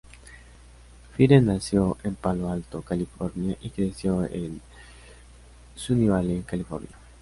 Fire nació en Palo Alto, California y creció en Sunnyvale, California.